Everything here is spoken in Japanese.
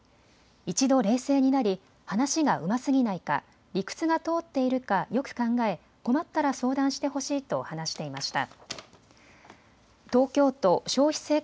一度、冷静になり話がうますぎないか理屈が通っているかよく考え、困ったら相談してほしいと話していました。